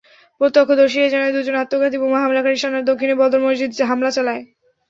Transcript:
প্রত্যক্ষদর্শীরা জানায়, দুজন আত্মঘাতী বোমা হামলাকারী সানার দক্ষিণে বদর মসজিদে হামলা চালায়।